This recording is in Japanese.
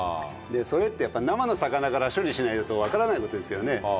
それってやっぱ生の魚から処理しないとわからない事ですよね。